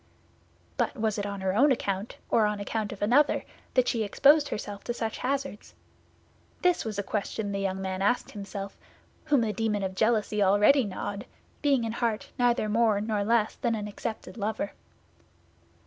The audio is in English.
But was it on her own account, or on account of another, that she exposed herself to such hazards? This was a question the young man asked himself, whom the demon of jealousy already gnawed, being in heart neither more nor less than an accepted lover.